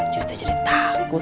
cucu jadi takut